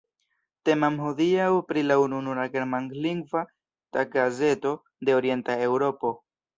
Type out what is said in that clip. Temas hodiaŭ pri la ununura germanlingva taggazeto de Orienta Eŭropo.